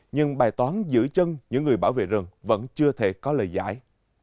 nhưng bài toán giữ chân những người bảo vệ rừng vẫn chưa thể có lời giải